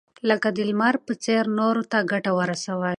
لکه د لمر په څېر نورو ته ګټه ورسوئ.